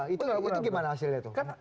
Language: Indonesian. itu gimana hasilnya tuh